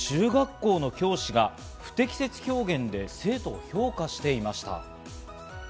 中学校の教師が不適切表現で生徒を評価していました。